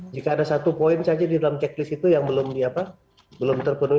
jika ada satu poin saja di dalam checklist itu yang belum terpenuhi